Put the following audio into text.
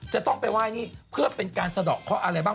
จะต้องไปไหว้นี่เพื่อเป็นการสะดอกเคาะอะไรบ้าง